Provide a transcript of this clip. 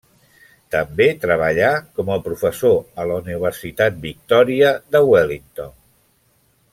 També treballà com a professor a la Universitat de Victòria de Wellington.